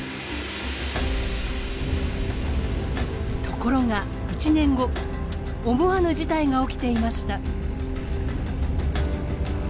ところが１年後思わぬ事態が起きていました。